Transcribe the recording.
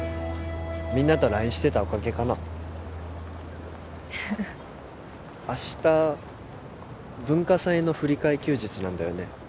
みんなとＬＩＮＥしてたおかげかな明日文化祭の振り替え休日なんだよね